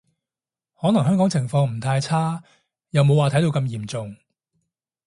可能喺香港情況唔太差，又冇話睇到喊咁嚴重